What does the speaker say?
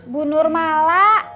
bu nur mala